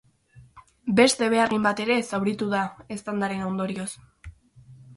Beste behargin bat ere zauritu da eztandaren ondorioz.